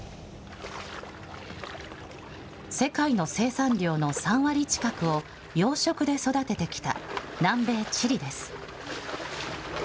世界の生産量の３割近くを養殖で育ててきた南米チリです。